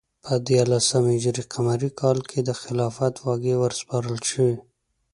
په دیارلس ه ق کال کې د خلافت واګې وروسپارل شوې.